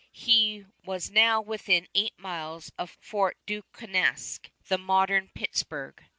He was now within eight miles of Fort Duquesne the modern Pittsburg.